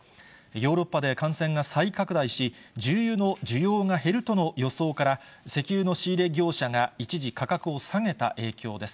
ヨーロッパで感染が再拡大し、重油の需要が減るとの予想から、石油の仕入れ業者が一時価格を下げた影響です。